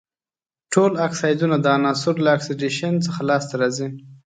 ټول اکسایدونه د عناصرو له اکسیدیشن څخه لاس ته راځي.